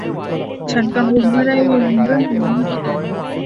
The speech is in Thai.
ฉันกังวลเมื่อได้ยินเรื่องนี้